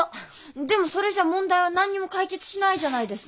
でもそれじゃ問題は何にも解決しないじゃないですか。